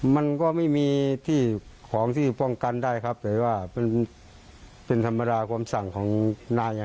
มันก็ไม่มีที่ของที่ป้องกันได้ครับแต่ว่าเป็นธรรมดาความสั่งของนาย